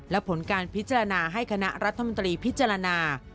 และผลการพิจารณาให้คณะรัฐมนตรีพิจารณา